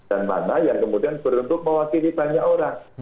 dan mana yang kemudian berhentuk mewakili banyak orang